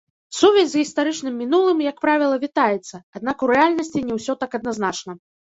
Сувязь з гістарычным мінулым, як правіла, вітаецца, аднак у рэальнасці не ўсё так адназначна.